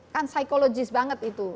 kan psikologis banget itu